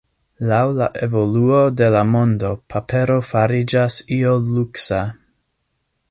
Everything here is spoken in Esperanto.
Laŭ la evoluo de la mondo papero fariĝas io luksa.